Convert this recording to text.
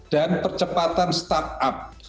dan percepatan startup